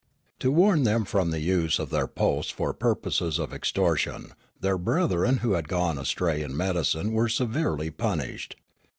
To warn them from the use of their posts for purposes of extortion, their brethren who had gone astra)' in medicine were severeh' punished.